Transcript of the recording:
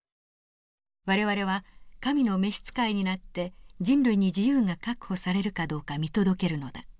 「我々は神の召し使いになって人類に自由が確保されるかどうか見届けるのだ」。